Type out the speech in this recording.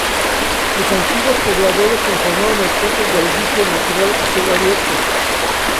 Sus antiguos pobladores transformaron el cráter de un aljibe natural a cielo abierto.